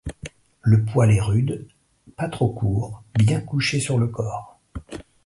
Le poil est rude, pas trop court, bien couché sur le corps.